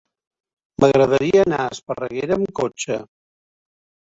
M'agradaria anar a Esparreguera amb cotxe.